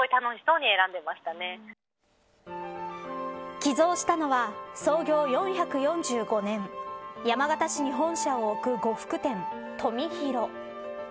寄贈したのは、創業４４５年山形市に本社を置く呉服店とみひろ。